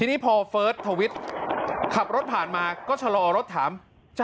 ทีนี้พอเฟิร์สทวิทย์ขับรถผ่านมาก็ชะลอรถถาม